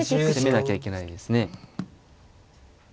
攻めなきゃいけないですね。